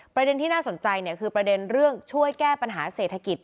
ประเด็นที่น่าสนใจคือประเด็นเรื่องช่วยแก้ปัญหาเศรษฐกิจ